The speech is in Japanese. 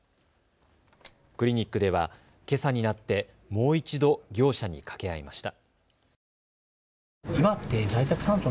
クリニックでは、けさになってもう一度、業者に掛け合いました。